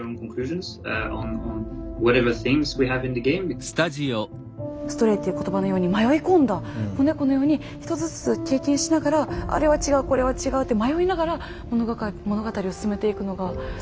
「Ｓｔｒａｙ」っていう言葉のように迷い込んだ子猫のように一つずつ経験しながらあれは違うこれは違うって迷いながら物語を進めていくのが。